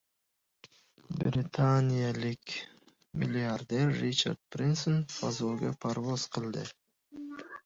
Britaniyalik milliarder Richard Brenson fazoga parvoz qildi